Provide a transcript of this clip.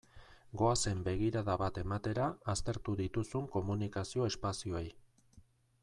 Goazen begirada bat ematera aztertu dituzun komunikazio espazioei.